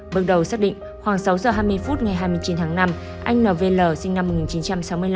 bước đầu xác định khoảng sáu giờ hai mươi phút ngày hai mươi chín tháng năm anh nv sinh năm một nghìn chín trăm sáu mươi năm